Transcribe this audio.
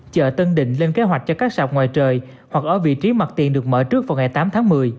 chợ tân định lên kế hoạch cho các sạp ngoài trời hoặc ở vị trí mặt tiền được mở trước vào ngày tám tháng một mươi